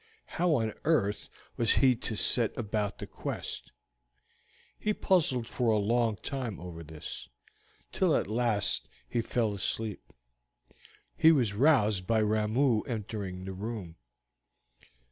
How on earth was he to set about the quest? He puzzled for a long time over this, till at last he fell asleep. He was roused by Ramoo entering the room.